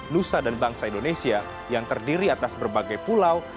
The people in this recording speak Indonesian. nusa dan bangsa indonesia yang terdiri atas berbagai pulau